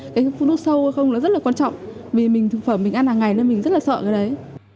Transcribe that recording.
cái phun nước sâu hay không là rất là quan trọng vì mình thực phẩm mình ăn hàng ngày nên mình rất là sợ cái đấy